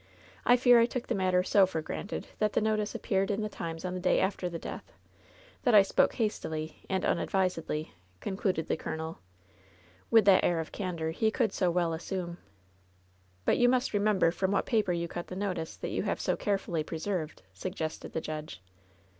I fear I took the matter so for granted that the notice appeared in the Times on the day after the death, that I spoke hastily and tmadvisedly,'' concluded the colonel, with that air of candor he could so well assume. "But you must remember from what paper you cut the notice that you have so carefully preserved,^' sug gested the judge.